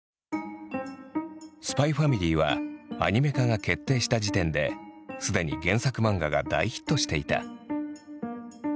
「ＳＰＹ×ＦＡＭＩＬＹ」はアニメ化が決定した時点ですでに原作漫画が大ヒットしていた。